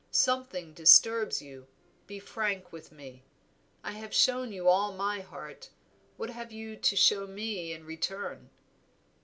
Something disturbs you, be frank with me; I have shown you all my heart, what have you to show me in return?"